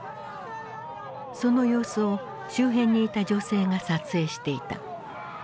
その様子を周辺にいた女性が撮影していた。